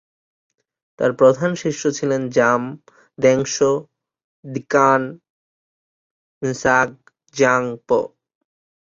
তার প্রধান শিষ্য ছিলেন 'জাম-দ্ব্যাংস-দ্কোন-ম্ছোগ-ব্জাং-পো।